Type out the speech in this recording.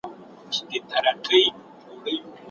د تاریخ تیرو درملو سره څه کیږي؟